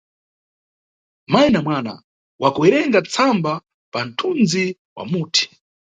Mayi na mwana wakuyerenga tsamba panʼthundzi wa muti.